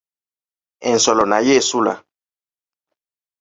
Ensolo nayo esula.